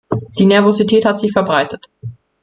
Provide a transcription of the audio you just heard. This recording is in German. Die Nervosität hat sich verbreitet.